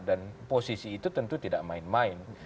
dan posisi itu tentu tidak main main